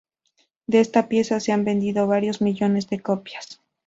De esta pieza se han vendido varios millones de copias.